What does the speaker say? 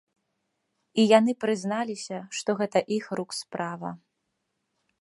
І яны прызналіся, што гэта іх рук справа.